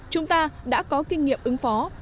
chúng ta đã có kinh nghiệm ứng phó